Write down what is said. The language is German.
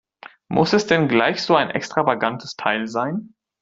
Muss es denn gleich so ein extravagantes Teil sein?